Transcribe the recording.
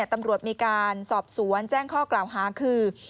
ตำรวจมีการสอบสวนแจ้งข้อกล่าวหาคือ